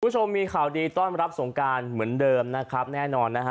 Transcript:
คุณผู้ชมมีข่าวดีต้อนรับสงการเหมือนเดิมนะครับแน่นอนนะฮะ